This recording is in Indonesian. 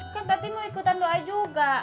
kan tati mau ikutan doa juga